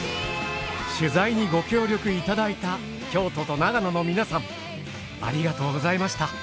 取材にご協力いただいた京都と長野の皆さんありがとうございました。